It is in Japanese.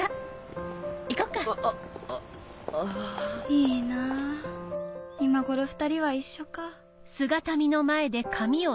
いいなぁ今頃２人は一緒か。